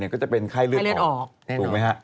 ก็จะเป็นไข้เลือดออกแน่นอน